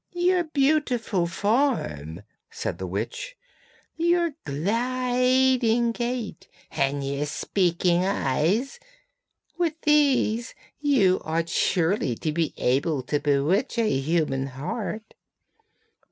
'Your beautiful form,' said the witch, 'your gliding gait, and your speaking eyes; with these you ought surely to be able to bewitch a human heart.